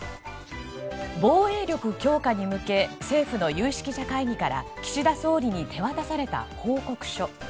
防衛力強化に向け政府の有識者会議から岸田総理に手渡された報告書。